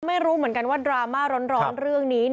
ไม่รู้เหมือนกันว่าดราม่าร้อนเรื่องนี้